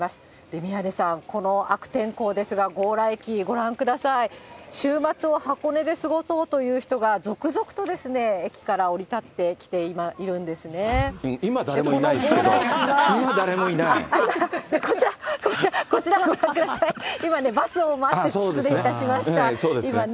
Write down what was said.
宮根さん、この悪天候ですが、強羅駅、ご覧ください、週末を箱根で過ごそうという人が、続々と駅から降りたってきて今、今、誰もいないけど、今、誰こちら見てください、今ね、バスを待って、失礼いたしました、今ね。